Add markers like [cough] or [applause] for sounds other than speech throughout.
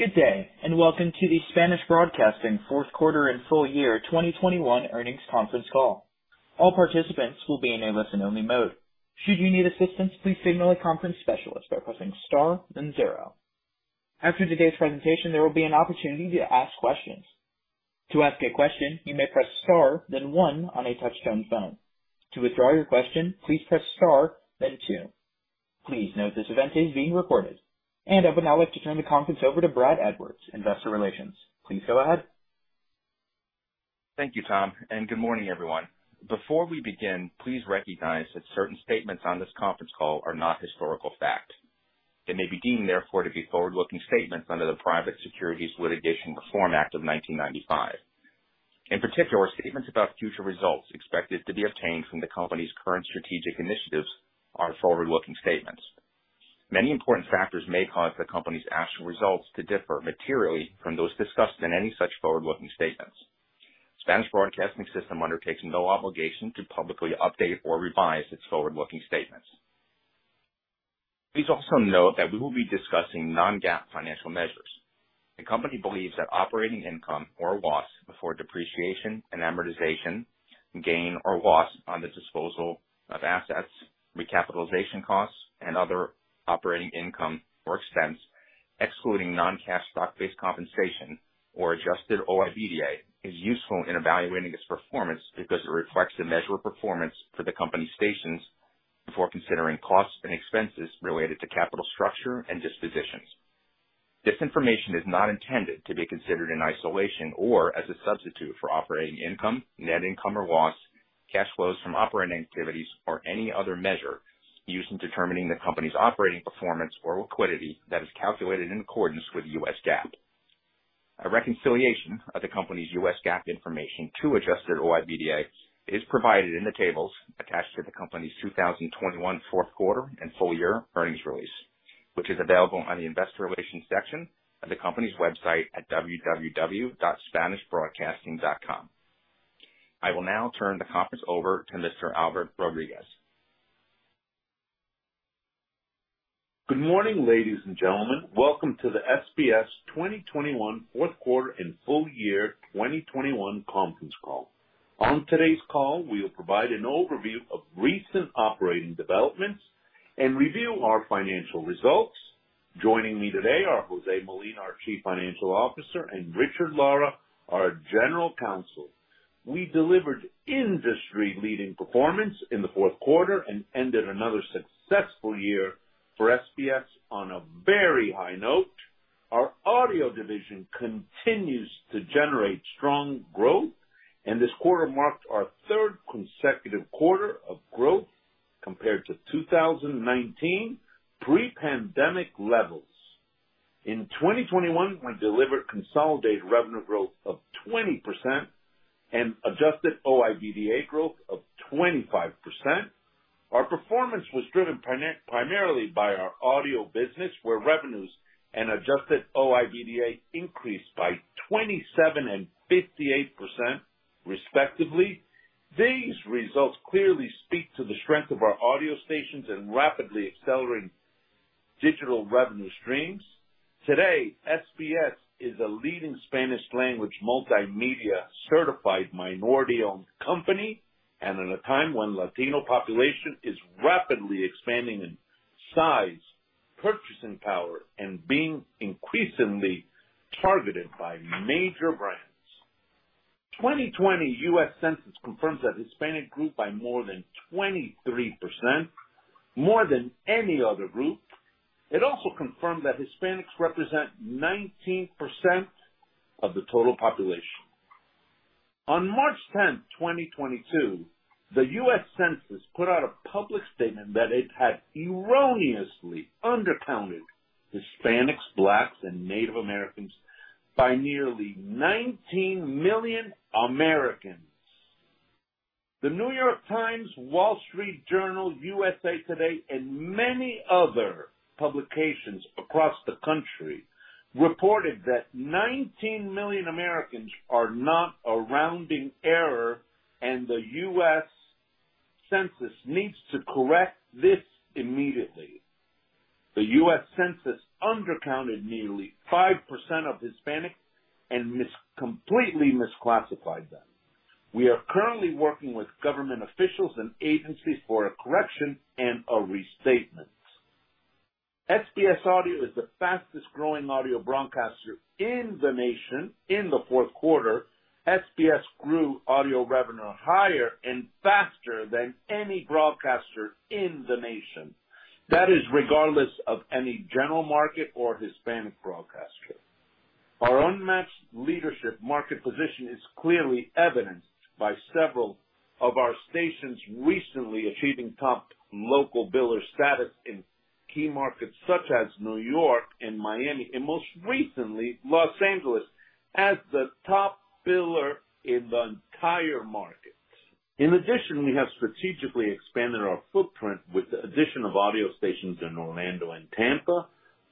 Good day, and welcome to the Spanish Broadcasting System Q4 and full year 2021 earnings conference call. All participants will be in a listen-only mode. Should you need assistance, please signal a conference specialist by pressing star then zero. After today's presentation, there will be an opportunity to ask questions. To ask a question, you may press star then one on a touch-tone phone. To withdraw your question, please press star then two. Please note this event is being recorded. I would now like to turn the conference over to Brad Edwards, Investor Relations. Please go ahead. Thank you, Tom, and good morning, everyone. Before we begin, please recognize that certain statements on this conference call are not historical fact. They may be deemed, therefore, to be forward-looking statements under the Private Securities Litigation Reform Act of 1995. In particular, statements about future results expected to be obtained from the company's current strategic initiatives are forward-looking statements. Many important factors may cause the company's actual results to differ materially from those discussed in any such forward-looking statements. Spanish Broadcasting System undertakes no obligation to publicly update or revise its forward-looking statements. Please also note that we will be discussing non-GAAP financial measures. The company believes that operating income or loss before depreciation and amortization, gain or loss on the disposal of assets, recapitalization costs, and other operating income or expense, excluding non-cash stock-based compensation or Adjusted OIBDA, is useful in evaluating its performance because it reflects the measure of performance for the company's stations before considering costs and expenses related to capital structure and dispositions. This information is not intended to be considered in isolation or as a substitute for operating income, net income or loss, cash flows from operating activities, or any other measure used in determining the company's operating performance or liquidity that is calculated in accordance with US GAAP. A reconciliation of the company's US GAAP information to Adjusted OIBDA is provided in the tables attached to the company's 2021 Q4 and full year earnings release, which is available on the investor relations section of the company's website at www.spanishbroadcasting.com. I will now turn the conference over to Mr. Albert Rodriguez. Good morning, ladies and gentlemen. Welcome to the SBS 2021 Q4 and full year 2021 conference call. On today's call, we will provide an overview of recent operating developments and review our financial results. Joining me today are José I. Molina, our Chief Financial Officer, and Richard D. Lara, our General Counsel. We delivered industry-leading performance in the Q4 and ended another successful year for SBS on a very high note. Our audio division continues to generate strong growth, and this quarter marked our third consecutive quarter of growth compared to 2019 pre-pandemic levels. In 2021, we delivered consolidated revenue growth of 20% and Adjusted OIBDA growth of 25%. Our performance was driven primarily by our audio business, where revenues and Adjusted OIBDA increased by 27% and 58%, respectively. These results clearly speak to the strength of our audio stations and rapidly accelerating digital revenue streams. Today, SBS is a leading Spanish-language multimedia certified minority-owned company and at a time when Latino population is rapidly expanding in size, purchasing power, and being increasingly targeted by major brands. 2020 US Census confirms that Hispanic group by more than 23%, more than any other group. It also confirmed that Hispanics represent 19% of the total population. On 10 March, 2022, the US Census put out a public statement that it had erroneously undercounted Hispanics, Blacks, and Native Americans by nearly 19 million Americans. The New York Times, Wall Street Journal, USA Today, and many other publications across the country reported that 19 million Americans are not a rounding error, and the US Census needs to correct this immediately. The US Census undercounted nearly 5% of Hispanics and completely misclassified them. We are currently working with government officials and agencies for a correction and a restatement. SBS Audio is the fastest growing audio broadcaster in the nation. In the Q4, SBS grew audio revenue higher and faster than any broadcaster in the nation. That is regardless of any general market or Hispanic broadcaster. Our unmatched leadership market position is clearly evidenced by several of our stations recently achieving top local biller status in key markets such as New York and Miami, and most recently Los Angeles as the top biller in the entire market. In addition, we have strategically expanded our footprint with the addition of audio stations in Orlando and Tampa,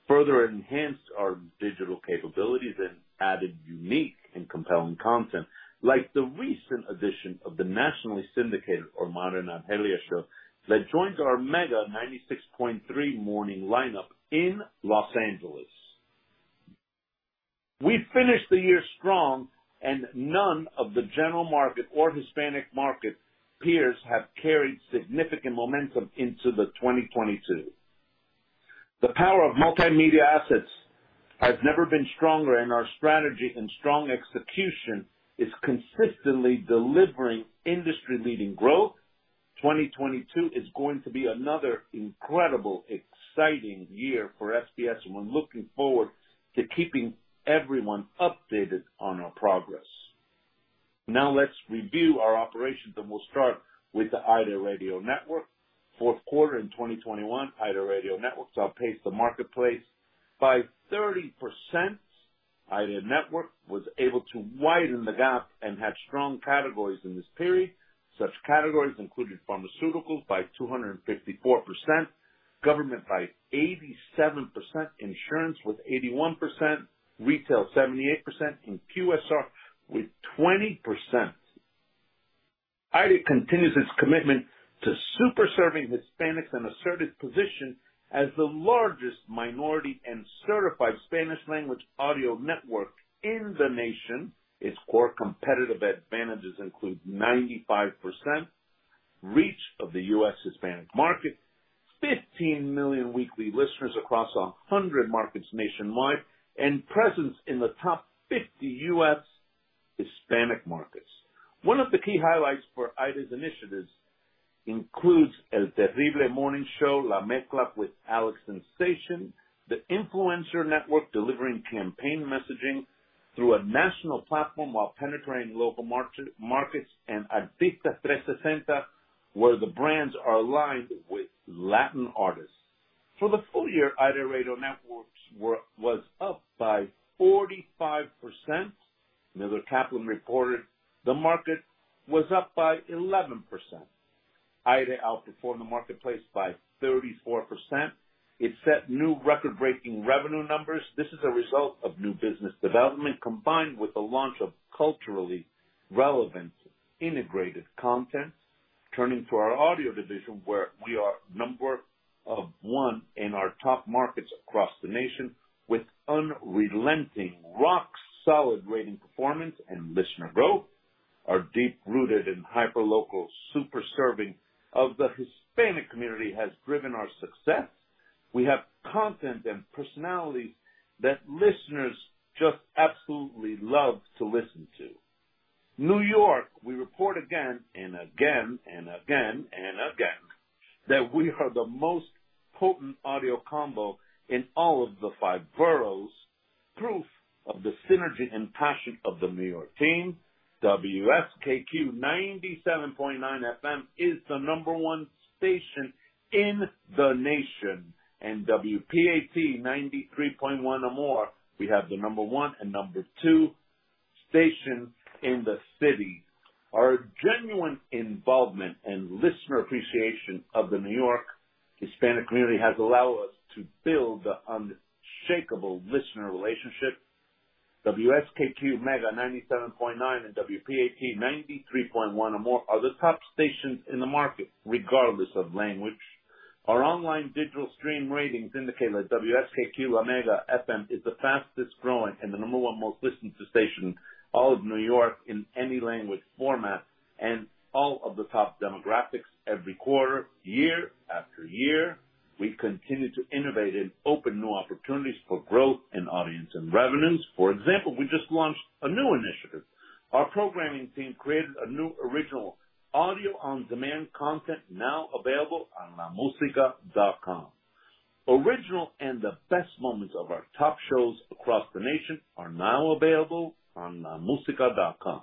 further enhanced our digital capabilities, and added unique and compelling content like the recent addition of the nationally syndicated Omar and Amelia show that joins our Mega 96.3 morning lineup in Los Angeles. We finished the year strong, and none of the general market or Hispanic market peers have carried significant momentum into 2022. The power of multimedia assets has never been stronger, and our strategy and strong execution is consistently delivering industry-leading growth. 2022 is going to be another incredible, exciting year for SBS, and we're looking forward to keeping everyone updated on our progress. Now let's review our operations, and we'll start with the AIRE Radio Network. Q4 in 2021, AIRE Radio Networks outpaced the marketplace by 30%. AIRE Network was able to widen the gap and had strong categories in this period. Such categories included pharmaceuticals by 254%, government by 87%, insurance with 81%, retail 78%, and QSR with 20%. AIRE continues its commitment to super serving Hispanics and to assert its position as the largest minority and certified Spanish language audio network in the nation. Its core competitive advantages include 95% reach of the US Hispanic market, 15 million weekly listeners across 100 markets nationwide, and presence in the top 50 US Hispanic markets. One of the key highlights for AIRE's initiatives includes Al Aire con El Terrible, La Mezcla con Alex Sensation, the influencer network delivering campaign messaging through a national platform while penetrating local markets, and Artistas360, where the brands are aligned with Latin artists. For the full year, AIRE Radio Networks was up by 45%. Miller Kaplan reported the market was up by 11%. AIRE outperformed the marketplace by 34%. It set new record-breaking revenue numbers. This is a result of new business development combined with the launch of culturally relevant integrated content. Turning to our audio division, where we are number one in our top markets across the nation with unrelenting rock-solid rating performance and listener growth. Our deep-rooted and hyperlocal super serving of the Hispanic community has driven our success. We have content and personalities that listeners just absolutely love to listen to. New York, we report again and again that we are the most potent audio combo in all of the five boroughs. Proof of the synergy and passion of the New York team. WSKQ 97.9 FM is the number one station in the nation, and WPAT 93.1 Amor, we have the number one and number two station in the city. Our genuine involvement and listener appreciation of the New York Hispanic community has allowed us to build an unshakable listener relationship. WSKQ Mega 97.9 and WPAT 93.1 Amor are the top stations in the market, regardless of language. Our online digital stream ratings indicate that WSKQ La Mega FM is the fastest-growing and the number one most-listened-to station, all of New York in any language format and all of the top demographics every quarter, year after year. We continue to innovate and open new opportunities for growth in audience and revenues. For example, we just launched a new initiative. Our programming team created a new original audio-on-demand content now available on laMusica.com. Original and the best moments of our top shows across the nation are now available on laMusica.com.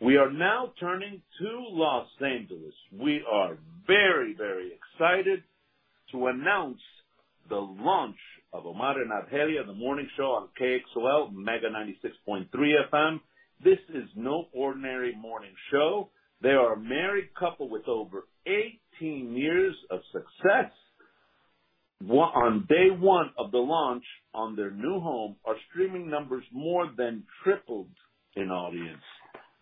We are now turning to Los Angeles. We are very, very excited to announce the launch of Omar and Nayeli in the Morning Show on KXOL Mega 96.3 FM. This is no ordinary morning show. They are a married couple with over 18 years of success. On day one of the launch on their new home, our streaming numbers more than tripled in audience.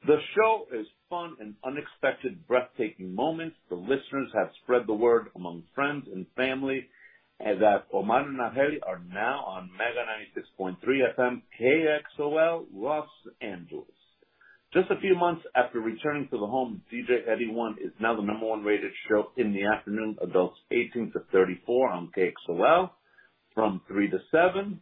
The show is fun and unexpected, breathtaking moments. The listeners have spread the word among friends and family that Omar and Nayeli are now on Mega 96.3 FM KXOL Los Angeles. Just a few months after returning to the home, DJ Eddie One is now the number one rated show in the afternoon, adults 18 to 34 on KXOL from 3:00 P.M. to 7:00 P.M.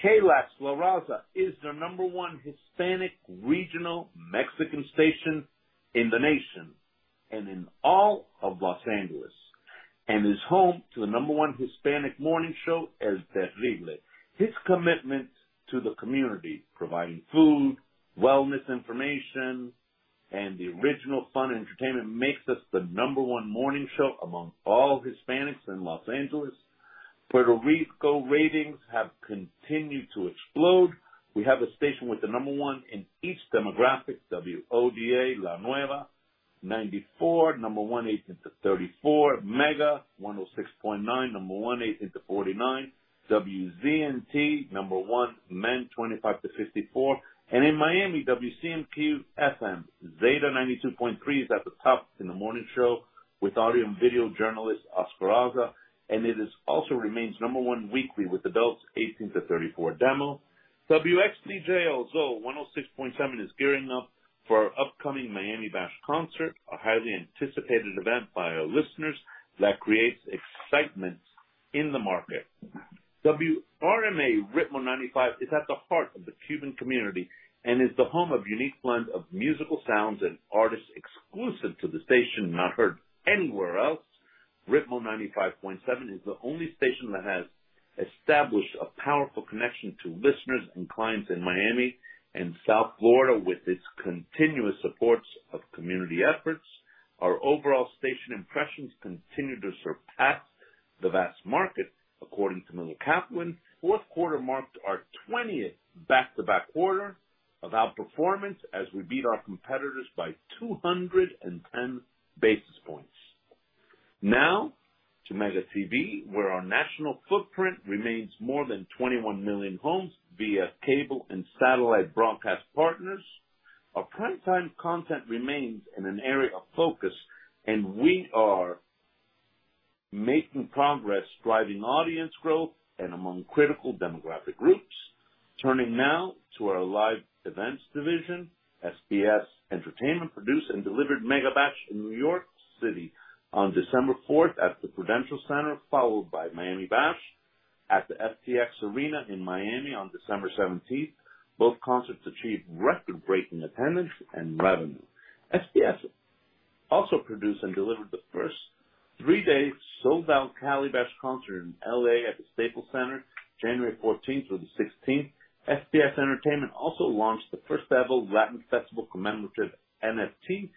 KLAX La Raza is the number one Hispanic regional Mexican station in the nation and in all of Los Angeles, and is home to the number one Hispanic morning show, El Terrible. His commitment to the community, providing food, wellness information, and the original fun entertainment makes us the number one morning show among all Hispanics in Los Angeles. Puerto Rico ratings have continued to explode. We have a station with the number one in each demographic, WODA La Nueva 94, number one, 18 to 34. Mega 106.9, number one, 18 to 49. WZNT, number one, men, 25 to 54. In Miami, WCMQ-FM Zeta 92.3 is at the top in the morning show with audio and video journalist Oscar Haza. It also remains number one weekly with adults 18 to 34 demo. WXDJ El Zol 106.7 is gearing up for our upcoming Miami Bash concert, a highly anticipated event by our listeners that creates excitement in the market. WRMA Ritmo 95.7 is at the heart of the Cuban community and is the home of unique blend of musical sounds and artists exclusive to the station, not heard anywhere else. Ritmo 95.7 is the only station that has established a powerful connection to listeners and clients in Miami and South Florida with its continuous supports of community efforts. Our overall station impressions continue to surpass the vast market, according to Miller Kaplan. Q4 marked our twentieth back-to-back quarter of outperformance as we beat our competitors by 210 basis points. Now to Mega TV, where our national footprint remains more than 21 million homes via cable and satellite broadcast partners. Our prime-time content remains in an area of focus, and we are making progress driving audience growth among critical demographic groups. Turning now to our live events division. SBS Entertainment produced and delivered Maga Bash in New York City on 4 December at the Prudential Center, followed by Miami Bash at the FTX Arena in Miami on 17 December. Both concerts achieved record-breaking attendance and revenue. SBS also produced and delivered the first three-day sold-out Calibash concert in L.A. at the Staples Center, 14 January through 16 January. SBS Entertainment also launched the first-ever Latin Festival Commemorative NFT,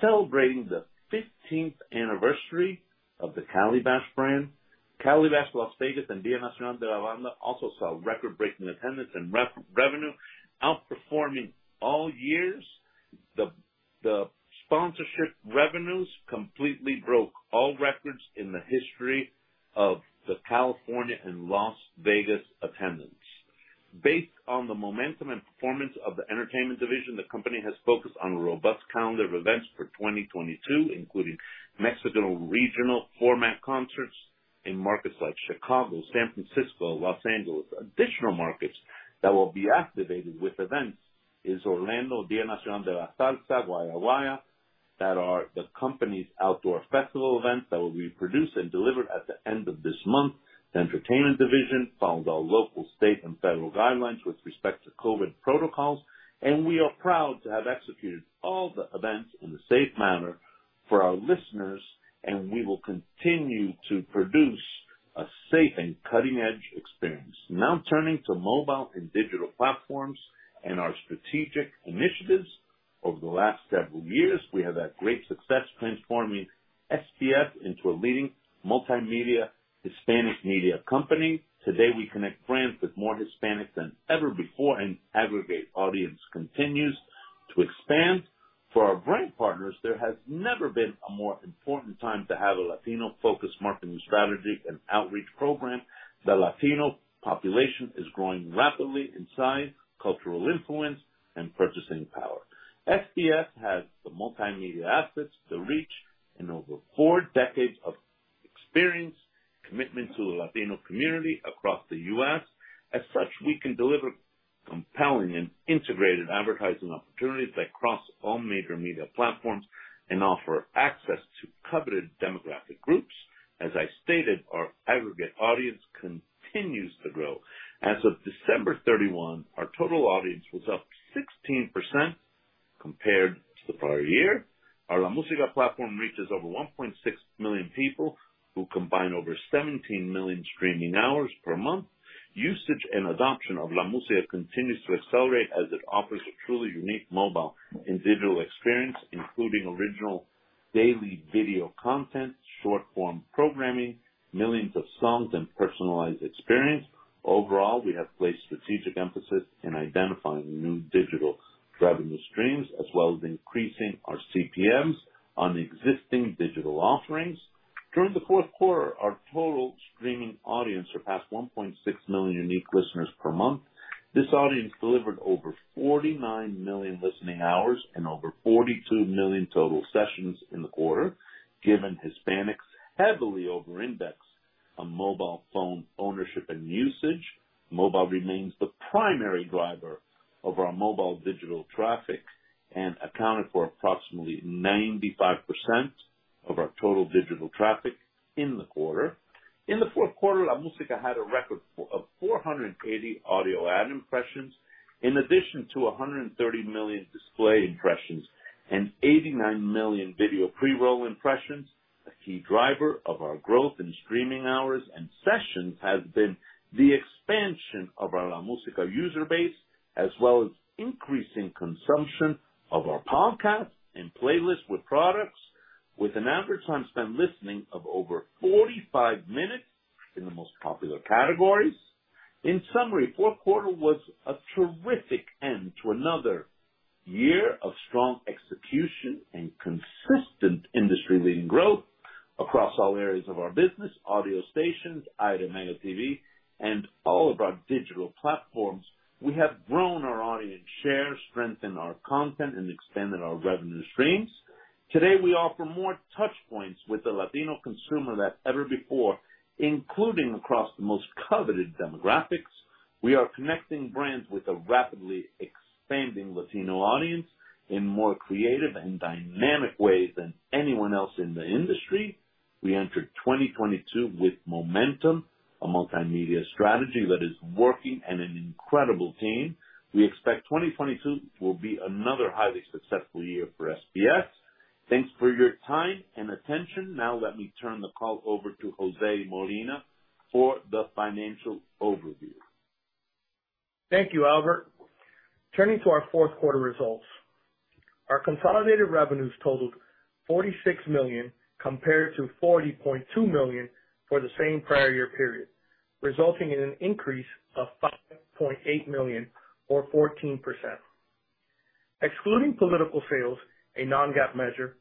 celebrating the 15th anniversary of the Calibash brand. Calibash Las Vegas and Día Nacional de la Banda also saw record-breaking attendance and revenue, outperforming all years. The sponsorship revenues completely broke all records in the history of the Calibash and Calibash Las Vegas attendance. Based on the momentum and performance of the entertainment division, the company has focused on a robust calendar of events for 2022, including Mexican regional format concerts in markets like Chicago, San Francisco, Los Angeles. Additional markets that will be activated with events is Orlando, Día Nacional de la Zalsa, Guaya Guaya, that are the company's outdoor festival events that will be produced and delivered at the end of this month. The entertainment division follows all local, state, and federal guidelines with respect to COVID protocols, and we are proud to have executed all the events in a safe manner for our listeners, and we will continue to produce a safe and cutting-edge experience. Now turning to mobile and digital platforms and our strategic initiatives. Over the last several years, we have had great success transforming SBS into a leading multimedia Hispanic media company. Today, we connect brands with more Hispanics than ever before, and aggregate audience continues to expand. For our brand partners, there has never been a more important time to have a Latino-focused marketing strategy and outreach program. The Latino population is growing rapidly in size, cultural influence, and purchasing power. SBS has the multimedia assets, the reach, and over four decades of experience, commitment to the Latino community across the US. As such, we can deliver compelling and integrated advertising opportunities that cross all major media platforms and offer access to coveted demographic groups. As I stated, our aggregate audience continues to grow. As of 31 December, our total audience was up 16% compared to the prior year. Our LaMusica platform reaches over 1.6 million people who combine over 17 million streaming hours per month. Usage and adoption of LaMusica continues to accelerate as it offers a truly unique mobile and digital experience, including original daily video content, short-form programming, millions of songs, and personalized experience. Overall, we have placed strategic emphasis in identifying new digital revenue streams, as well as increasing our CPMs on existing digital offerings. During the Q4, our total streaming audience surpassed 1.6 million unique listeners per month. This audience delivered over 49 million listening hours and over 42 million total sessions in the quarter. Given Hispanics heavily over-index on mobile phone ownership and usage, mobile remains the primary driver of our mobile digital traffic and accounted for approximately 95% of our total digital traffic in the quarter. In the Q4, LaMusica had a record of 480 audio ad impressions, in addition to 130 million display impressions and 89 million video pre-roll impressions. A key driver of our growth in streaming hours and sessions has been the expansion of our LaMusica user base, as well as increasing consumption of our podcasts and playlists with products, with an average time spent listening of over 45 minutes in the most popular categories. In summary, the Q4 was a terrific end to another year of strong execution and consistent industry-leading growth across all areas of our business, audio stations, AIRE and Mega TV, and all of our digital platforms. We have grown our audience share, strengthened our content, and expanded our revenue streams. Today, we offer more touchpoints with the Latino consumer than ever before, including across the most coveted demographics. We are connecting brands with a rapidly expanding Latino audience in more creative and dynamic ways than anyone else in the industry. We entered 2022 with momentum, a multimedia strategy that is working, and an incredible team. We expect 2022 will be another highly successful year for SBS. Thanks for your time and attention. Now let me turn the call over to José Molina for the financial overview. Thank you, Albert. Turning to our Q4 results. Our consolidated revenues totaled $46 million compared to $40.2 million for the same prior year period, resulting in an increase of $5.8 million or 14%. Excluding political sales, a non-GAAP measure,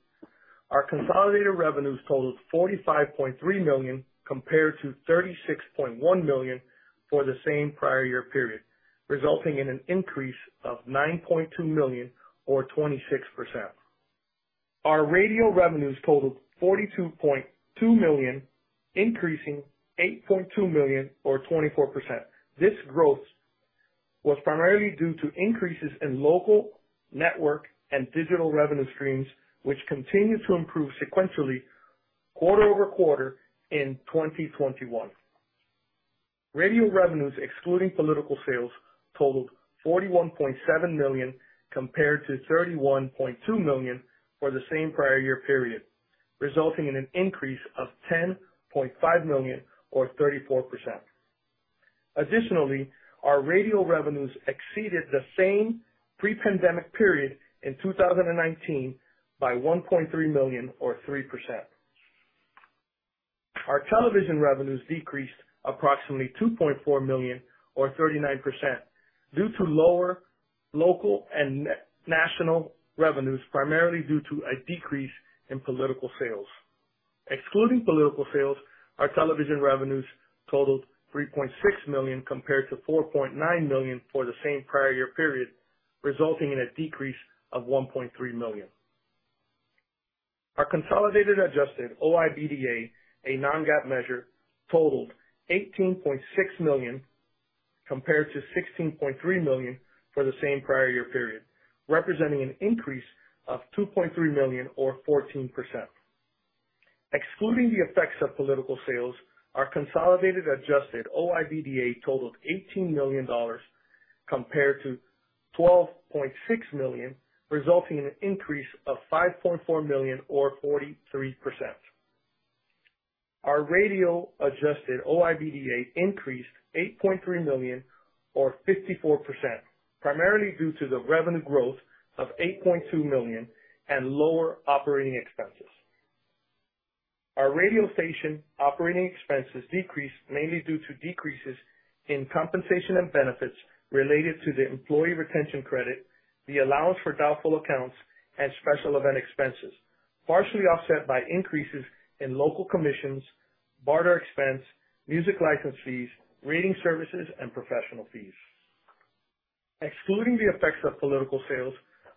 our consolidated revenues totaled $45.3 million compared to $36.1 million for the same prior year period, resulting in an increase of $9.2 million or 26%. Our radio revenues totaled $42.2 million, increasing $8.2 million or 24%. This growth was primarily due to increases in local, network, and digital revenue streams, which continued to improve sequentially quarter-over-quarter in 2021. Radio revenues, excluding political sales, totaled $41.7 million compared to $31.2 million for the same prior year period, resulting in an increase of $10.5 million or 34%. Additionally, our radio revenues exceeded the same pre-pandemic period in 2019 by $1.3 million or 3%. Our television revenues decreased approximately $2.4 million or 39% due to lower local and national revenues, primarily due to a decrease in political sales. Excluding political sales, our television revenues totaled $3.6 million compared to $4.9 million for the same prior year period, resulting in a decrease of $1.3 million. Our consolidated Adjusted OIBDA, a non-GAAP measure, totaled $18.6 million compared to $16.3 million for the same prior year period, representing an increase of $2.3 million or 14%. Excluding the effects of political sales, our consolidated Adjusted OIBDA totaled $18 million compared to $12.6 million, resulting in an increase of $5.4 million or 43%. Our radio Adjusted OIBDA increased $8.3 million or 54%, primarily due to the revenue growth of $8.2 million and lower operating expenses. Our radio station operating expenses decreased mainly due to decreases in compensation and benefits related to the Employee Retention Credit, the allowance for doubtful accounts, and special event expenses, partially offset by increases in local commissions, barter expense, music license fees, rating services, and professional fees. Excluding the effects of political sales,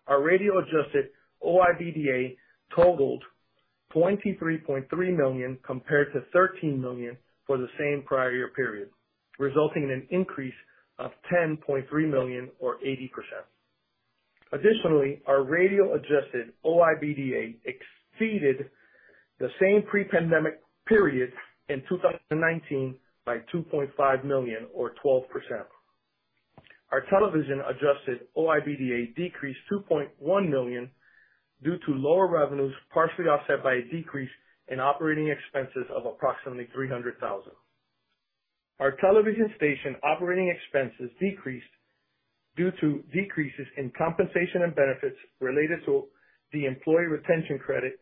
our radio Adjusted OIBDA totaled $23.3 million compared to $13 million for the same prior year period, resulting in an increase of $10.3 million or 80%. Additionally, our radio Adjusted OIBDA exceeded the same pre-pandemic period in 2019 by $2.5 million or 12%. Our television Adjusted OIBDA decreased $2.1 million due to lower revenues, partially offset by a decrease in operating expenses of approximately $300,000. Our television station operating expenses decreased due to decreases in compensation and benefits related to the Employee Retention Credit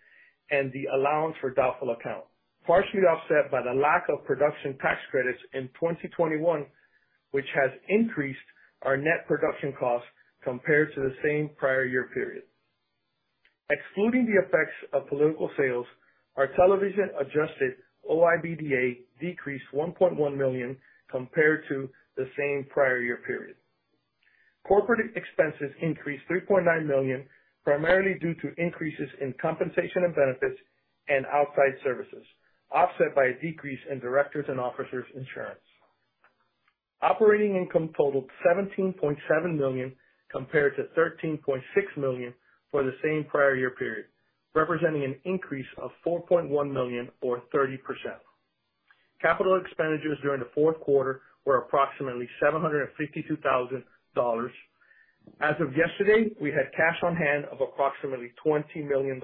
and the allowance for doubtful accounts, partially offset by the lack of production tax credits in 2021, which has increased our net production costs compared to the same prior year period. Excluding the effects of political sales, our television Adjusted OIBDA decreased $1.1 million compared to the same prior year period. Corporate expenses increased $3.9 million, primarily due to increases in compensation and benefits and outside services, offset by a decrease in directors' and officers' insurance. Operating income totaled $17.7 million compared to $13.6 million for the same prior year period, representing an increase of $4.1 million or 30%. Capital expenditures during the Q4 were approximately $752,000. As of yesterday, we had cash on hand of approximately $20 million.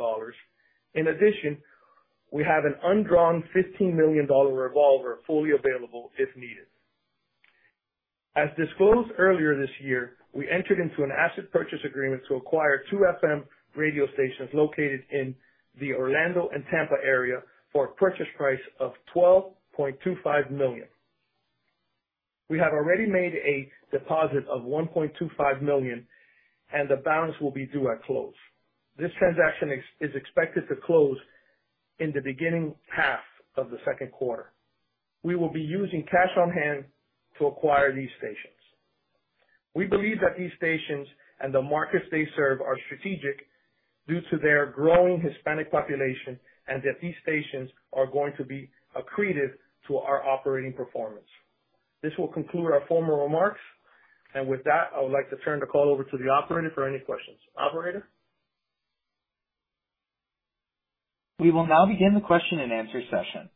In addition, we have an undrawn $15 million revolver fully available if needed. As disclosed earlier this year, we entered into an asset purchase agreement to acquire two FM radio stations located in the Orlando and Tampa area for a purchase price of $12.25 million. We have already made a deposit of $1.25 million, and the balance will be due at close. This transaction is expected to close in the beginning half of the Q2. We will be using cash on hand to acquire these stations. We believe that these stations and the markets they serve are strategic due to their growing Hispanic population, and that these stations are going to be accretive to our operating performance. This will conclude our formal remarks. With that, I would like to turn the call over to the operator for any questions. Operator? We will now begin the question-and-answer session.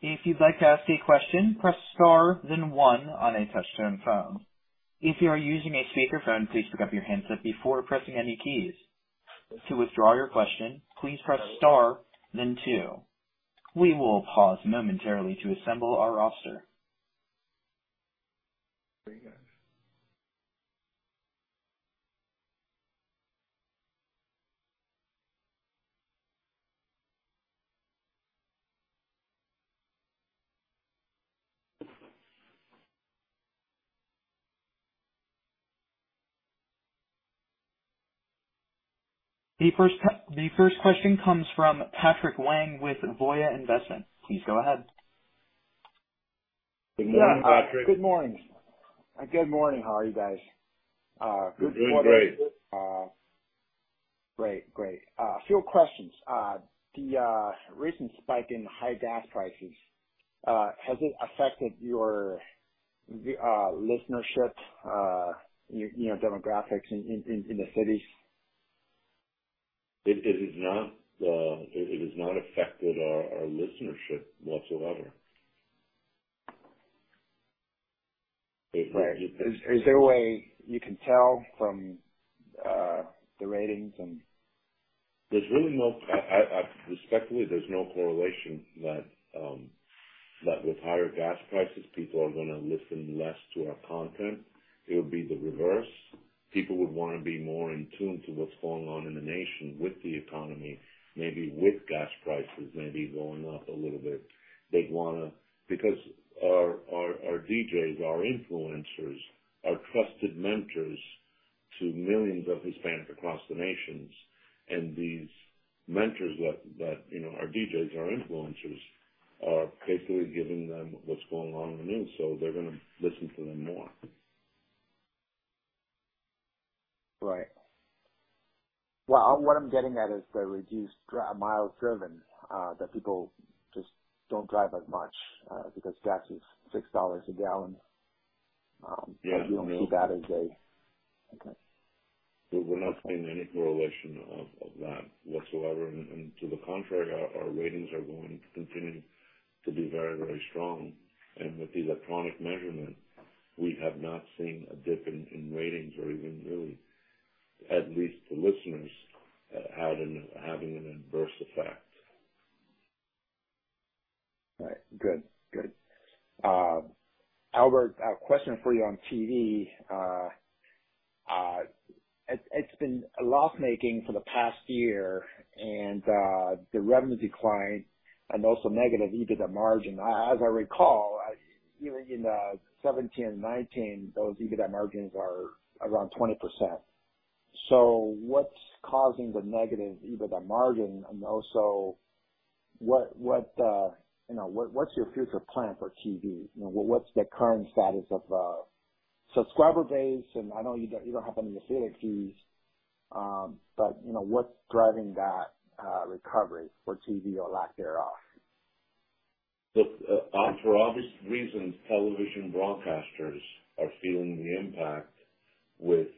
If you'd like to ask a question, press star then one on a touch-tone phone. If you are using a speakerphone, please pick up your handset before pressing any keys. To withdraw your question, please press star then two. We will pause momentarily to assemble our roster. Very good. The first question comes from Patrick Wang with Voya Investment. Please go ahead. Good morning, Patrick. Good morning. How are you guys? We're doing great. Great, great. A few questions. The recent spike in high gas prices, has it affected your listenership, you know, demographics in the cities? It has not affected our listenership whatsoever. Right. Is there a way you can tell from the ratings. There's really no correlation that with higher gas prices, people are gonna listen less to our content. It would be the reverse. People would wanna be more in tune to what's going on in the nation with the economy, maybe with gas prices maybe going up a little bit. They'd wanna because our DJs, our influencers, are trusted mentors to millions of Hispanics across the nations, and these mentors that you know, our DJs, our influencers, are basically giving them what's going on in the news, so they're gonna listen to them more. Right. Well, what I'm getting at is the reduced miles driven, that people just don't drive as much, because gas is $6 a gallon. [inaudible] Yeah, I mean. Okay. We're not seeing any correlation of that whatsoever. To the contrary, our ratings are going to continue to be very, very strong. With the electronic measurement, we have not seen a dip in ratings or even really, at least to listeners, having an adverse effect. Right. Good. Albert, a question for you on TV. It's been a loss making for the past year and the revenue declined and also negative EBITDA margin. As I recall, you know, in 2017, 2019, those EBITDA margins are around 20%. So what's causing the negative EBITDA margin? And also what's your future plan for TV? You know, what's the current status of subscriber base? And I know you don't have any affiliate fees, but you know, what's driving that recovery for TV or lack thereof? Look, for obvious reasons, television broadcasters are feeling the impact with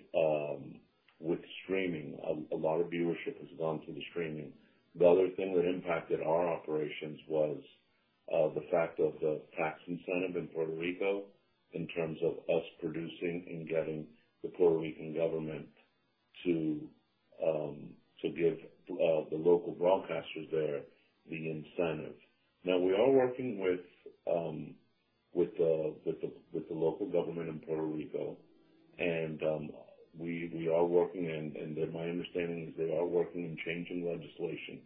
streaming. A lot of viewership has gone to the streaming. The other thing that impacted our operations was the fact of the tax incentive in Puerto Rico in terms of us producing and getting the Puerto Rican government to give the local broadcasters there the incentive. Now we are working with the local government in Puerto Rico and we are working and my understanding is they are working in changing legislation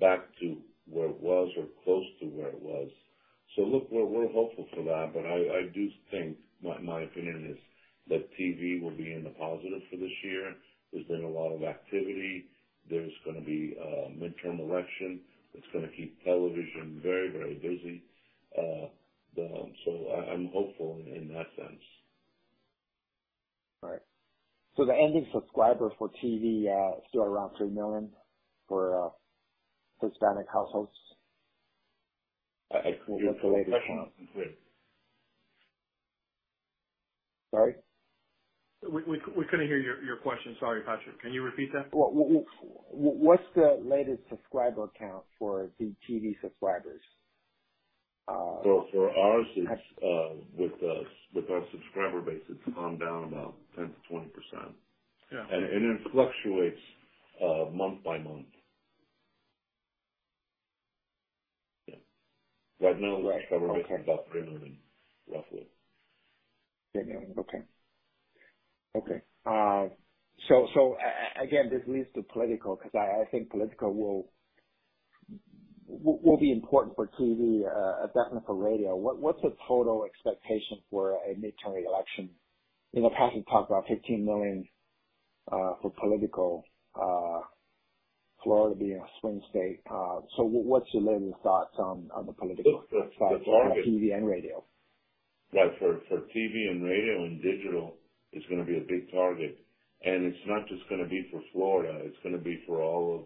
back to where it was or close to where it was. Look, we're hopeful for that, but I do think my opinion is that TV will be in the positive for this year. There's been a lot of activity. There's gonna be a midterm election. That's gonna keep television very, very busy. I'm hopeful in that sense. All right. The ending subscriber for TV still around 3 million for Hispanic households? I couldn't hear the question. I'm sorry. Sorry? We couldn't hear your question. Sorry, Patrick. Can you repeat that? What's the latest subscriber count for the TV subscribers? Well, for ours, it's with our subscriber base, it's gone down about 10% to 20%. Yeah. It fluctuates month by month. Yeah. Right now the subscriber base is about 3 million, roughly. $3 million. Okay. Okay. Again, this leads to political because I think political will be important for TV, definitely for radio. What's the total expectation for a midterm election? In the past, you talked about $15 million for political, Florida being a swing state. What's your latest thoughts on the political side. Look, the target. [crosstalk] for TV and radio? Like for TV and radio and digital is gonna be a big target. It's not just gonna be for Florida, it's gonna be for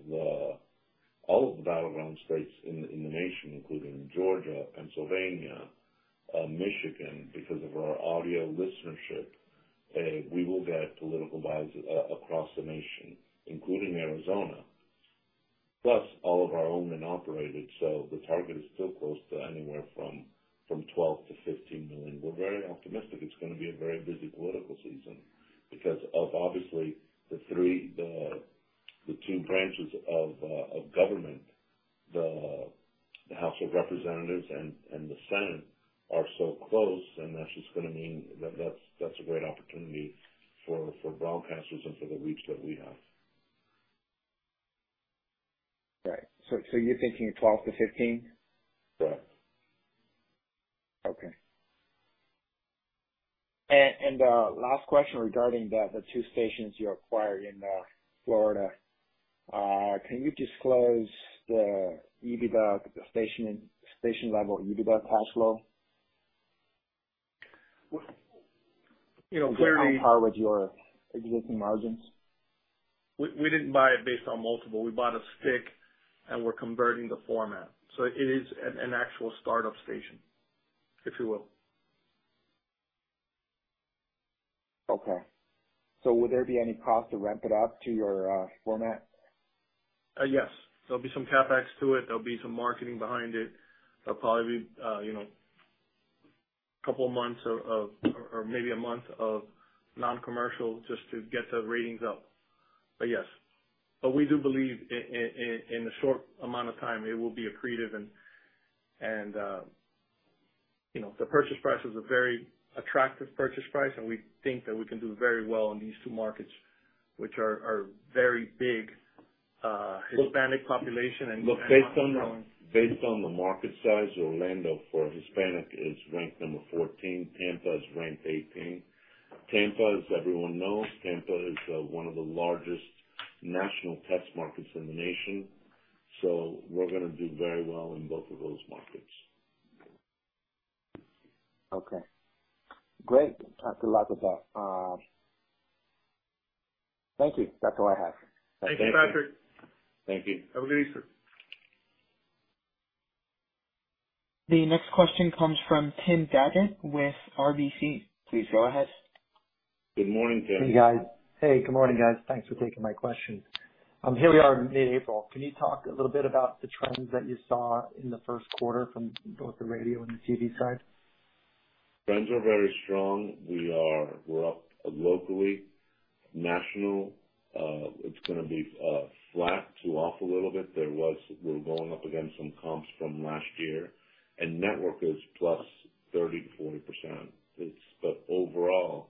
all of the battleground states in the nation, including Georgia, Pennsylvania, Michigan. Because of our audio listenership, we will get political buys across the nation, including Arizona, plus all of our owned and operated. The target is still close to anywhere from $12 million to $15 million. We're very optimistic it's gonna be a very busy political season because of obviously the two branches of government. The House of Representatives and the Senate are so close, and that's just gonna mean that that's a great opportunity for broadcasters and for the reach that we have. Right. You're thinking 12 to 15? Yes. Okay. Last question regarding the two stations you acquired in Florida. Can you disclose the station EBITDA and station-level EBITDA cash flow? We, you know, very On par with your existing margins. We didn't buy it based on multiple. We bought a stick, and we're converting the format. It is an actual startup station, if you will. Okay. Would there be any cost to ramp it up to your format? Yes, there'll be some CapEx to it. There'll be some marketing behind it. There'll probably be, you know, a couple of months or maybe a month of non-commercial just to get the ratings up. Yes. We do believe in a short amount of time it will be accretive and, you know, the purchase price is a very attractive purchase price, and we think that we can do very well in these two markets, which are very big. Hispanic population and. [crosstalk] Look, based on the market size, Orlando for Hispanic is ranked number 14. Tampa is ranked 18. Tampa, as everyone knows, is one of the largest national test markets in the nation. We're gonna do very well in both of those markets. Okay. Great. [inaudible] thank you. That's all I have. Thank you. Thank you, Patrick. Thank you. Have a good Easter. The next question comes from Tim Padgett with RBC. Please go ahead. Good morning, Tim. Hey, guys. Hey, good morning, guys. Thanks for taking my questions. Here we are in mid-April. Can you talk a little bit about the trends that you saw in the Q1 from both the radio and the TV side? Trends are very strong. We're up locally. National, it's gonna be flat to off a little bit. We're going up against some comps from last year. Network is plus 30% to 40%. Overall,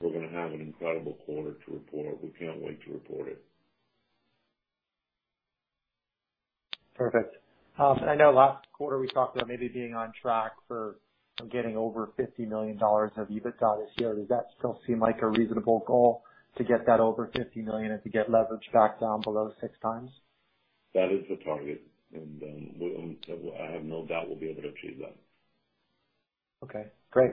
we're gonna have an incredible quarter to report. We can't wait to report it. Perfect. I know last quarter we talked about maybe being on track for getting over $50 million of EBITDA this year. Does that still seem like a reasonable goal to get that over $50 million and to get leverage back down below 6x? That is the target. I have no doubt we'll be able to achieve that. Okay, great.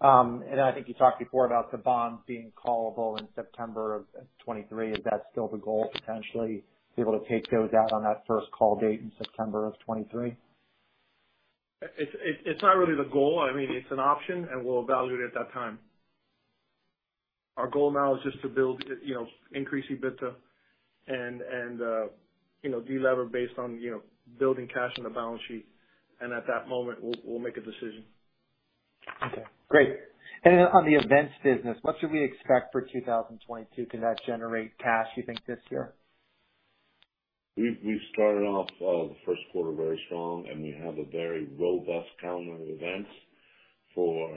I think you talked before about the bond being callable in September 2023. Is that still the goal, potentially be able to take those out on that first call date in September 2023? It's not really the goal. I mean, it's an option, and we'll evaluate it at that time. Our goal now is just to build, you know, increase EBITDA and you know, de-lever based on, you know, building cash on the balance sheet. At that moment, we'll make a decision. Okay, great. On the events business, what should we expect for 2022? Could that generate cash, you think, this year? We started off the Q1 very strong, and we have a very robust calendar of events for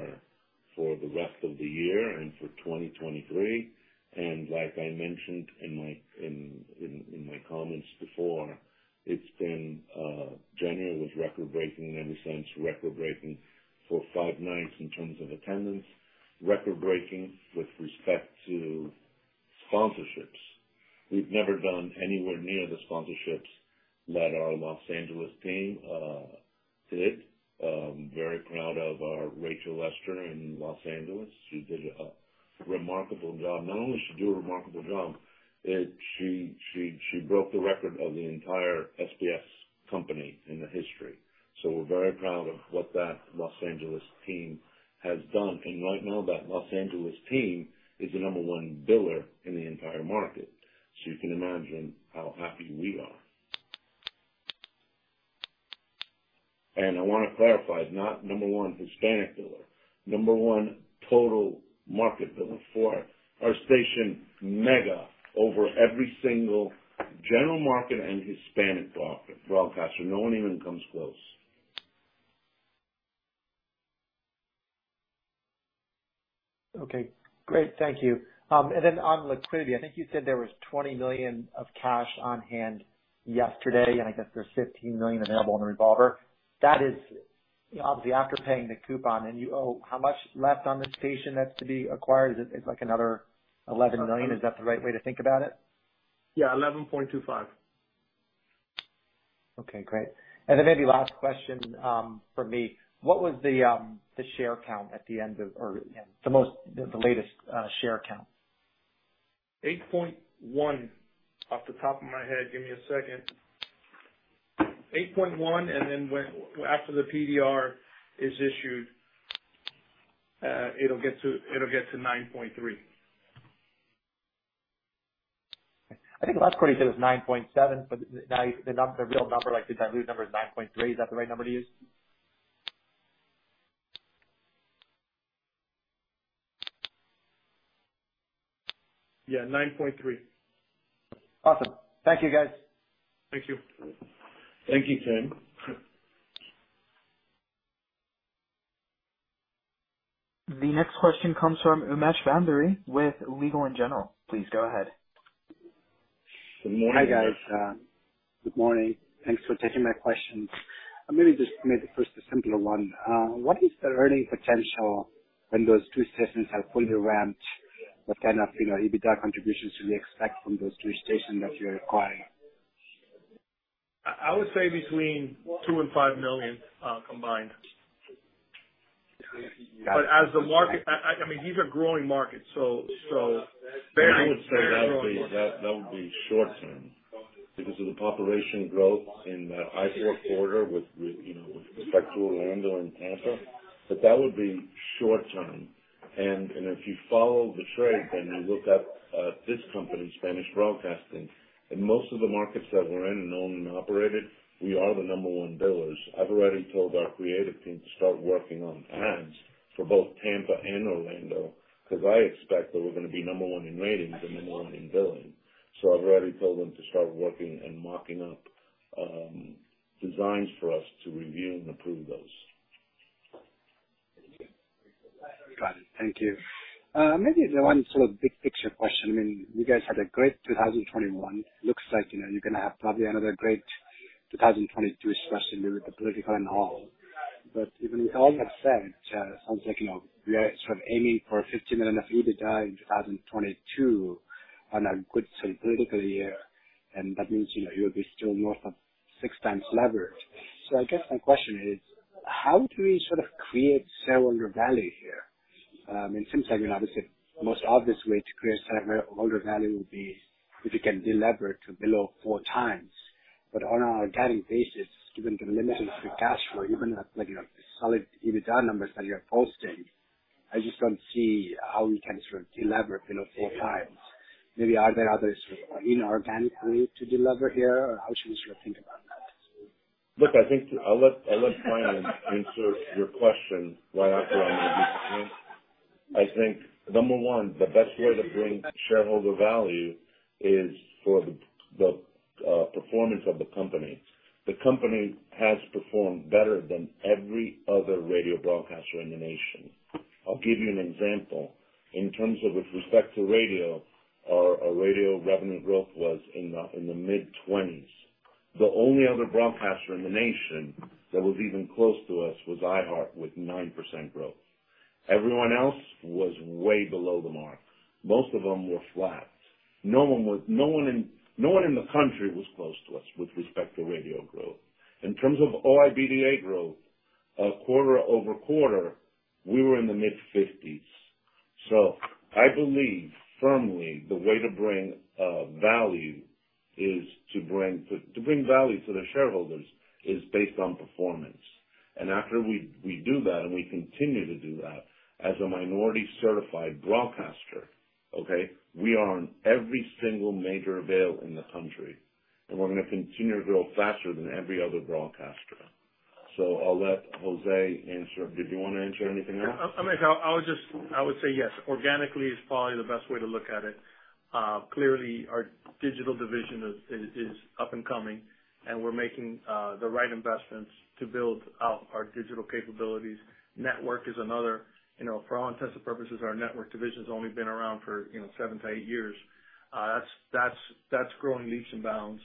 the rest of the year and for 2023. Like I mentioned in my comments before, it's been January was record-breaking and ever since record-breaking for five nights in terms of attendance. Record-breaking with respect to sponsorships. We've never done anywhere near the sponsorships that our Los Angeles team did. Very proud of our Rachel Lester in Los Angeles, who did a remarkable job. Not only she do a remarkable job, she broke the record of the entire SBS company in the history. We're very proud of what that Los Angeles team has done. Right now, that Los Angeles team is the number one biller in the entire market. You can imagine how happy we are. I wanna clarify, not number one Hispanic biller, number one total market biller for our station Mega over every single general market and Hispanic broadcaster. No one even comes close. Okay, great. Thank you. On liquidity, I think you said there was $20 million of cash on hand yesterday, and I guess there's $15 million available in the revolver. That is Obviously after paying the coupon and you owe how much left on the station that's to be acquired? Is it like another $11 million? Is that the right way to think about it? Yeah, $11.25. Okay, great. Maybe last question for me. What was the share count at the end of or the end, the most, the latest share count? 8.1 off the top of my head. Give me a second. 8.1, and then after the PVR is issued, it'll get to 9.3. I think last quarter you said it was 9.7, but now the real number, like the diluted number is 9.3. Is that the right number to use? Yeah, 9.3. Awesome. Thank you, guys. Thank you. Thank you, Tim. The next question comes from Umesh Bhandari with Legal & General. Please go ahead. Good morning. Hi, guys. Good morning. Thanks for taking my questions. I'm gonna just maybe first a simpler one. What is the earning potential when those two stations are fully ramped? What kind of, you know, EBITDA contributions do we expect from those two stations that you're acquiring? I would say between $2 million and $5 million combined. As the market, I mean, these are growing markets, so. I would say that would be short term because of the population growth in I-4 corridor with respect to Orlando and Tampa. That would be short term. If you follow the trade and you look up this company, Spanish Broadcasting, in most of the markets that we're in and owned and operated, we are the number one billers. I've already told our creative team to start working on ads for both Tampa and Orlando, because I expect that we're gonna be number one in ratings and number one in billing. I've already told them to start working and mocking up designs for us to review and approve those. Got it. Thank you. Maybe the one sort of big picture question. I mean, you guys had a great 2021. Looks like, you know, you're gonna have probably another great 2022, especially with the political and all. Even with all that said, sounds like, you know, we are sort of aiming for $50 million of EBITDA in 2022 on a good sort of political year, and that means, you know, you'll be still north of 6x leverage. I guess my question is how do we sort of create shareholder value here? It seems like, you know, obviously the most obvious way to create shareholder value would be if you can delever to below 4x. On a going basis, given the limitations of the cash flow, even the like, you know, solid EBITDA numbers that you're posting, I just don't see how we can sort of delever, you know, 4x. Maybe are there other sort of inorganic way to delever here? Or how should we sort of think about that? Look, I think I'll let Brian answer your question right after I make these points. I think, number one, the best way to bring shareholder value is for the performance of the company. The company has performed better than every other radio broadcaster in the nation. I'll give you an example. In terms of with respect to radio, our radio revenue growth was in the mid 20%. The only other broadcaster in the nation that was even close to us was iHeart, with 9% growth. Everyone else was way below the mark. Most of them were flat. No one in the country was close to us with respect to radio growth. In terms of OIBDA growth, quarter-over-quarter, we were in the mid 50%. I believe firmly the way to bring value to the shareholders is based on performance. After we do that and we continue to do that as a minority-certified broadcaster, okay, we are on every single major avail in the country, and we're gonna continue to grow faster than every other broadcaster. I'll let José answer. Did you wanna answer anything else? I mean, I would say yes. Organically is probably the best way to look at it. Clearly our digital division is up and coming, and we're making the right investments to build out our digital capabilities. Network is another. You know, for all intents and purposes, our network division's only been around for seven years to eight years. That's growing leaps and bounds.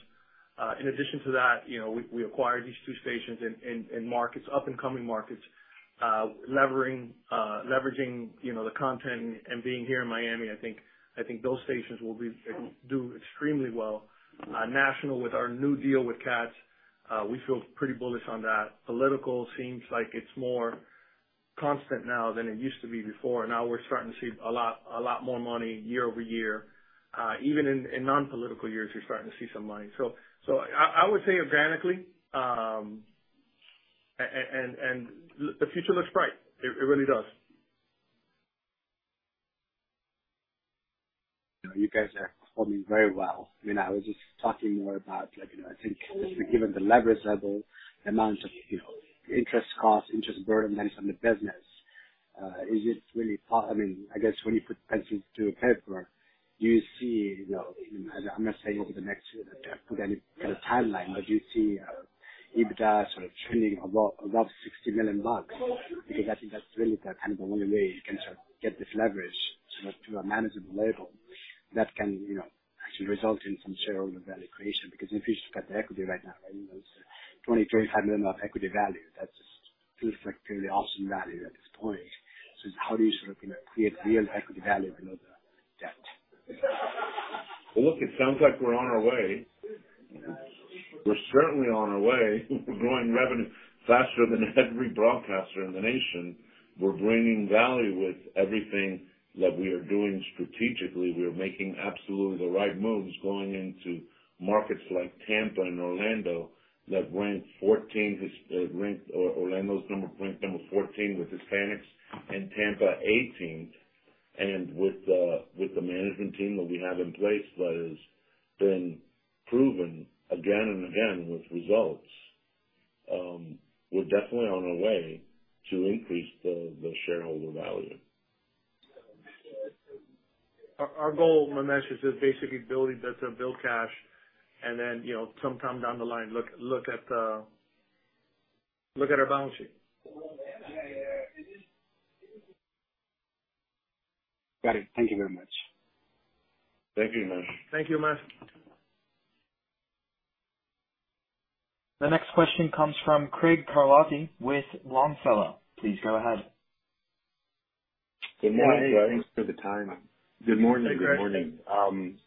In addition to that, you know, we acquired these two stations in up-and-coming markets. Leveraging the content and being here in Miami, I think those stations will do extremely well. National, with our new deal with Katz, we feel pretty bullish on that. Political seems like it's more constant now than it used to be before. Now we're starting to see a lot more money year-over-year. Even in non-political years, you're starting to see some money. I would say organically. The future looks bright. It really does. You know, you guys are performing very well. I mean, I was just talking more about like, you know, I think just given the leverage level, the amount of, you know, interest costs, interest burden then on the business, is it really. I mean, I guess when you put pencil to paper, do you see, you know, I'm not saying over the next year that put any kind of timeline, but do you see, EBITDA sort of trending above $60 million? Because I think that's really the kind of the only way you can sort of get this leverage sort of to a manageable level. That can, you know, actually result in some shareholder value creation because if you just look at the equity right now, right, you know, it's $20 to $25 million of equity value. That feels like purely option value at this point. So how do you sort of, you know, create real equity value below the debt? Well, look, it sounds like we're on our way. We're certainly on our way. We're growing revenue faster than every broadcaster in the nation. We're bringing value with everything that we are doing strategically. We are making absolutely the right moves going into markets like Tampa and Orlando that ranked 14th. Orlando is ranked number 14 with Hispanics and Tampa 18th. With the management team that we have in place that has been proven again and again with results, we're definitely on our way to increase the shareholder value. Our goal, Umesh, is just basically building cash and then, you know, sometime down the line, look at our balance sheet. Got it. Thank you very much. Thank you, Umesh Bhandari. Thank you, Umesh Bhandari. The next question comes from Craig Kucera with Longfellow. Please go ahead. Good morning, Craig. Thanks for the time. Good morning. Good morning. Hey,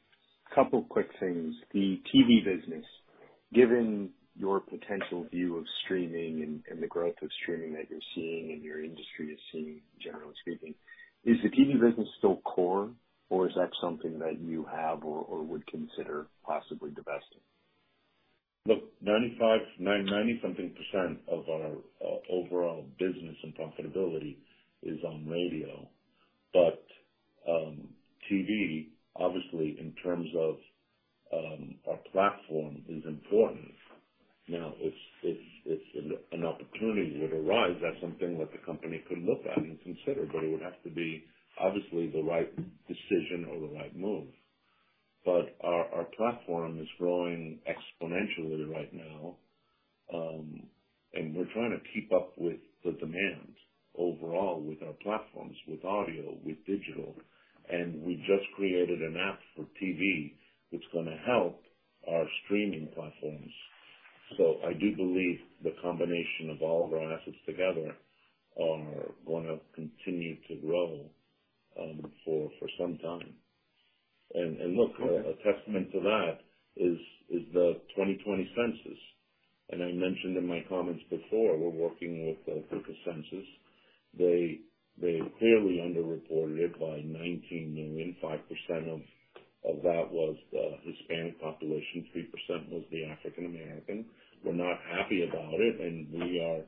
Craig. A couple quick things. The TV business, given your potential view of streaming and the growth of streaming that you're seeing and your industry is seeing, generally speaking, is the TV business still core or is that something that you have or would consider possibly divesting? Look, 95% to 99 % something of our overall business and profitability is on radio. TV obviously in terms of our platform is important. Now if an opportunity would arise, that's something that the company could look at and consider, but it would have to be obviously the right decision or the right move. Our platform is growing exponentially right now, and we're trying to keep up with the demand overall with our platforms, with audio, with digital. We just created an app for TV that's gonna help our streaming platforms. I do believe the combination of all of our assets together are gonna continue to grow for some time. Look, a testament to that is the 2020 census. I mentioned in my comments before, we're working with the census. They clearly underreported it by 19 million. 5% of that was the Hispanic population, 3% was the African American. We're not happy about it, and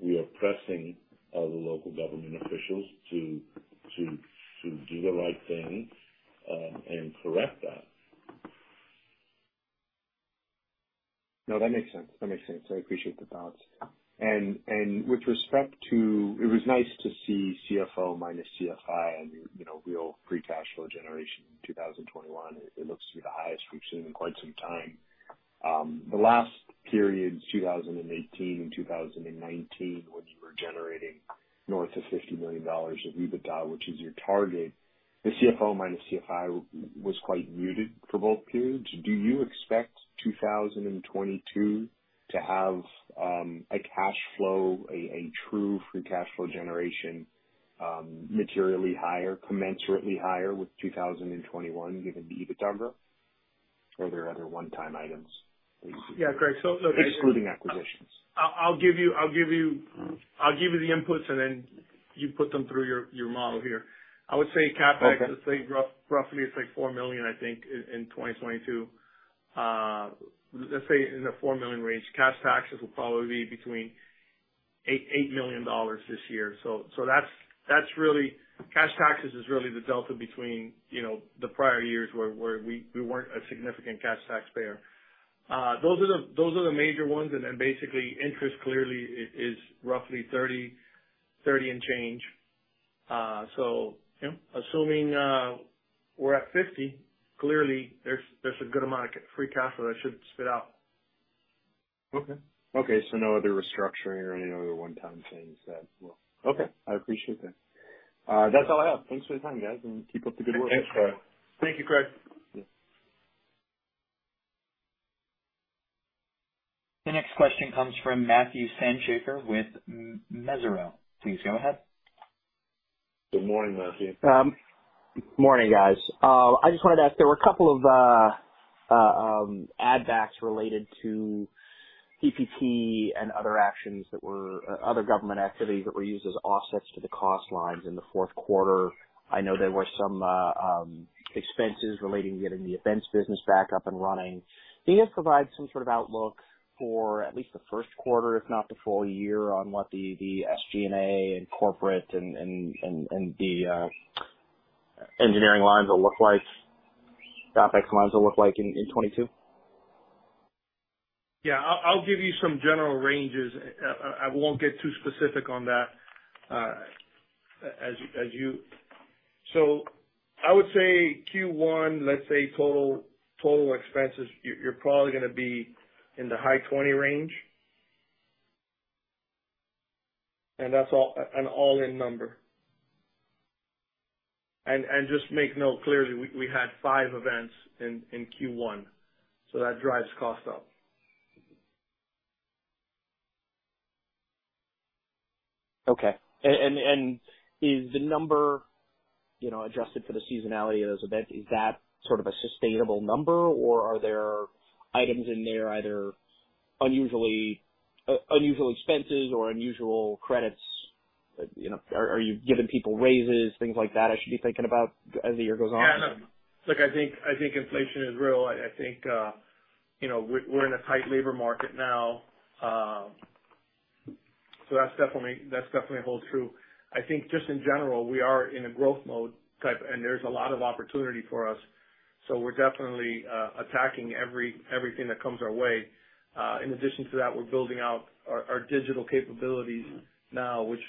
we are pressing the local government officials to do the right thing, and correct that. No, that makes sense. That makes sense. I appreciate the thoughts. With respect to it was nice to see CFO minus CFI and, you know, real free cash flow generation in 2021. It looks to be the highest we've seen in quite some time. The last period, 2018 and 2019, when you were generating north of $50 million of EBITDA, which is your target, the CFO minus CFI was quite muted for both periods. Do you expect 2022 to have a cash flow, a true free cash flow generation materially higher, commensurately higher with 2021 given the EBITDA growth? Are there other one-time items that you see? Yeah, Craig, look. Excluding acquisitions. I'll give you the inputs and then you put them through your model here. I would say CapEx. Okay. Let's say roughly it's like $4 million I think in 2022. Let's say in the $4 million range. Cash taxes will probably be between $8 million this year. That's really cash taxes is really the delta between, you know, the prior years where we weren't a significant cash taxpayer. Those are the major ones. Basically interest clearly is roughly $30 and change. You know, assuming we're at $50, clearly there's a good amount of free cash flow that should spit out. Okay. Okay, I appreciate that. That's all I have. Thanks for your time, guys, and keep up the good work. Thanks, Craig. Thank you, Craig. Yeah. The next question comes from Matthew Harrigan with Benchmark. Please go ahead. Good morning, Matthew. Morning, guys. I just wanted to ask, there were a couple of add backs related to PPP and other actions that were other government activities that were used as offsets for the cost lines in the Q4. I know there were some expenses relating to getting the events business back up and running. Can you just provide some sort of outlook for at least the Q1, if not the full year, on what the SG&A and corporate and the engineering lines will look like, the OpEx lines will look like in 2022? Yeah. I'll give you some general ranges. I won't get too specific on that. I would say Q1, let's say total expenses, you're probably gonna be in the high $20 range. That's all, an all-in number. Just make note, clearly we had five events in Q1, so that drives cost up. Okay. Is the number, you know, adjusted for the seasonality of those events? Is that sort of a sustainable number, or are there items in there either unusual expenses or unusual credits? You know, are you giving people raises, things like that I should be thinking about as the year goes on? Yeah, no. Look, I think inflation is real. I think you know, we're in a tight labor market now. So that's definitely holds true. I think just in general, we are in a growth mode type, and there's a lot of opportunity for us. So we're definitely attacking everything that comes our way. In addition to that, we're building out our digital capabilities now, which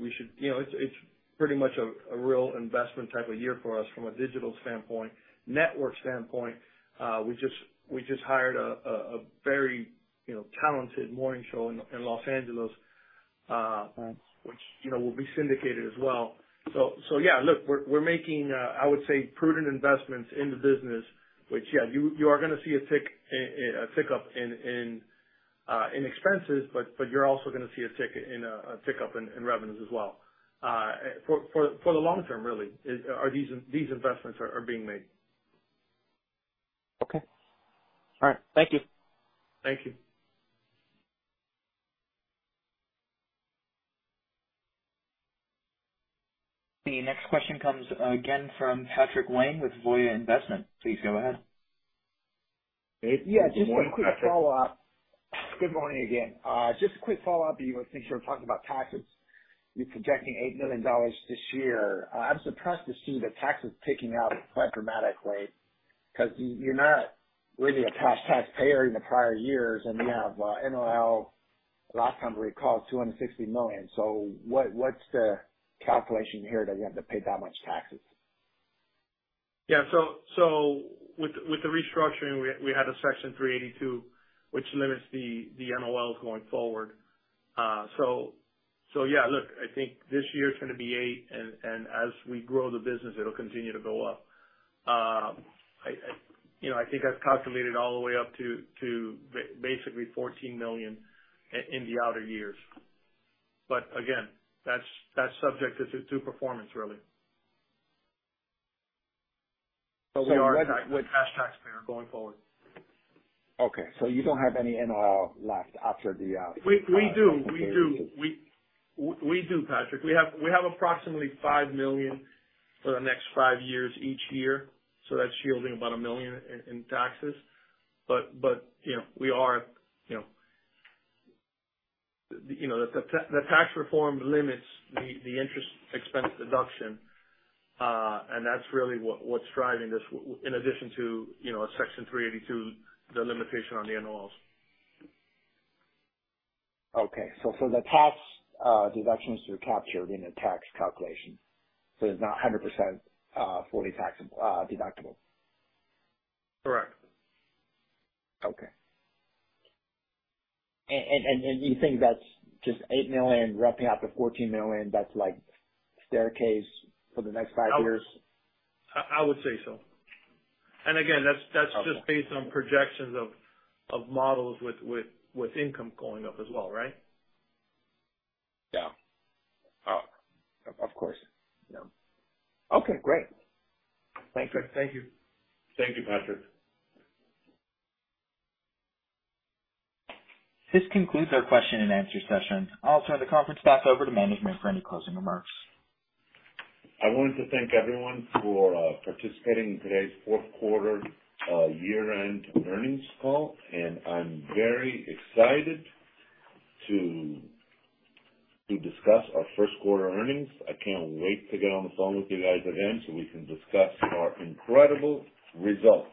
we should. It's pretty much a real investment type of year for us from a digital standpoint. Network standpoint, we just hired a very talented morning show in Los Angeles. Nice. which, you know, will be syndicated as well. Yeah, look, we're making, I would say, prudent investments in the business, which, yeah, you are gonna see a tick-up in expenses, but you're also gonna see a tick-up in revenues as well. For the long term really are these investments being made. Okay. All right. Thank you. Thank you. The next question comes again from Patrick Wang with Voya Investment. Please go ahead. Hey, good morning, Patrick. Yeah, just a quick follow-up. Good morning again. Just a quick follow-up. Since you were talking about taxes, you're projecting $8 million this year. I'm surprised to see the taxes ticking up quite dramatically, 'cause you're not really a top taxpayer in the prior years, and you have NOL, last time I recall, $260 million. So what's the calculation here that you have to pay that much taxes? Yeah. With the restructuring we had a Section 382, which limits the NOLs going forward. Yeah. Look, I think this year's gonna be $8 million, and as we grow the business, it'll continue to go up. You know, I think I've calculated all the way up to basically $14 million in the outer years. But again, that's subject to performance really. Wait, what? We are a cash taxpayer going forward. Okay. You don't have any NOL left after the. We do, Patrick. We have approximately $5 million for the next five years each year, so that's yielding about $1 million in taxes. You know, the tax reform limits the interest expense deduction, and that's really what's driving this in addition to, you know, Section 382, the limitation on the NOLs. The tax deductions are captured in the tax calculation? It's not 100% fully taxable, deductible. Correct. Okay. You think that's just $8 million ramping up to $14 million, that's like staircase for the next five years? I would say so. Again, that's just based on projections of models with income going up as well, right? Yeah. Of course. Yeah. Okay, great. Thanks. Thank you. Thank you, Patrick. This concludes our question and answer session. I'll turn the conference back over to management for any closing remarks. I wanted to thank everyone for participating in today's Q4 year-end earnings call, and I'm very excited to discuss our Q1 earnings. I can't wait to get on the phone with you guys again, so we can discuss our incredible results.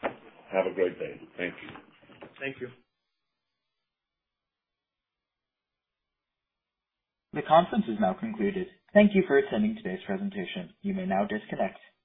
Have a great day. Thank you. Thank you. The conference is now concluded. Thank you for attending today's presentation. You may now disconnect.